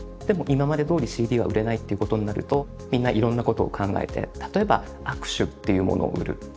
でも今までどおりＣＤは売れないということになるとみんないろんなことを考えて例えば握手っていうものを売る。